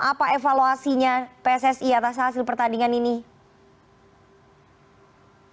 apa evaluasinya pssi atas hasil pertandingan ini